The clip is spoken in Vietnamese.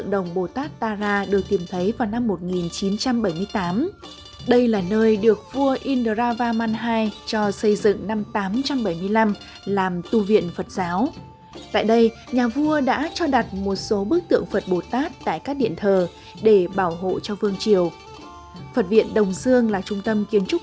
tượng bồ tát tara được chiêm ngưỡng phiên bản tỷ lệ một một của bức tượng này trưng bày tại không gian giới thiệu về phong cách đồng dương thế kỷ thứ chín